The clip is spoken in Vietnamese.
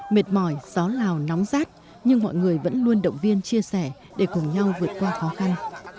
mệt mỏi gió lào nóng rát nhưng mọi người vẫn luôn động viên chia sẻ để cùng nhau vượt qua khó khăn